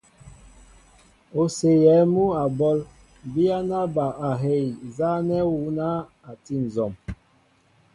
O séyɛɛ mŭ a ɓɔl, biyana ba hɛy nzanɛɛ awuna a ti nzɔm.